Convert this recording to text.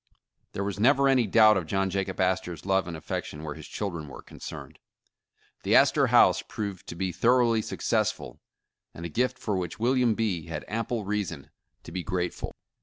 There was never any doubt of John Jacob Astor 's love and affection where his children were concerned. The Astor House proved to be thoroughly successful, and a gift for which William B. had ample reason to be grateful.